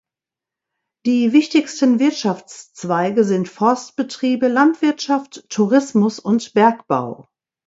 Die wichtigsten Wirtschaftszweige sind Forstbetriebe, Landwirtschaft, Tourismus und Bergbau.